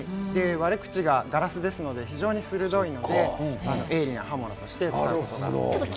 割れ口がガラスですので非常に鋭いので鋭利な刃物として使われています。